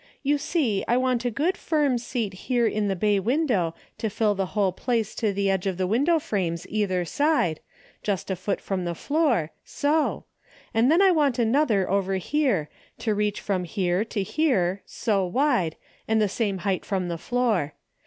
You see I want a good firm seat here in the bay window to fill the whole place to the edge of the window frames either side, just a foot from the floor, so, and then I want another over here, to reach from here to here, so wide, and 222 A DAILY BATE:^ the same height from the floor.